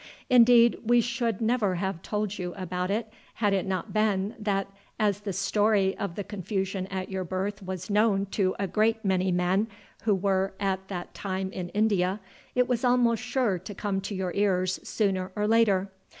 Indeed we should never have told you about it, had it not been that as the story of the confusion at your birth was known to a great many men who were at that time in India, it was almost sure to come to your ears sooner or later.